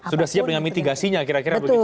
sudah siap dengan mitigasinya kira kira begitu